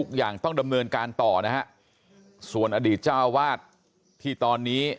อย่างต้องดำเนินการต่อนะฮะส่วนอดีตเจ้าวาดที่ตอนนี้